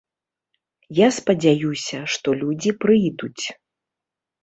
Я спадзяюся, што людзі прыйдуць.